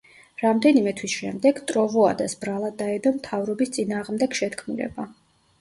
რამდენიმე თვის შემდეგ, ტროვოადას ბრალად დაედო მთავრობის წინააღმდეგ შეთქმულება.